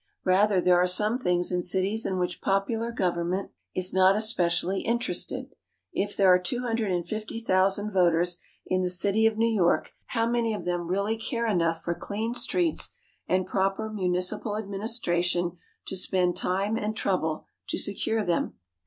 Rather there are some things in cities in which popular government is not especially interested. If there are two hundred and fifty thousand voters in the city of New York, how many of them really care enough for clean streets and proper municipal administration to spend time and trouble to secure them?